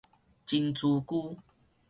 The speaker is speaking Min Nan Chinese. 真珠龜